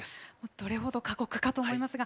どれほど過酷かと思いますが。